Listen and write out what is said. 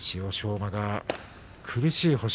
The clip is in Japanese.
馬が苦しい星。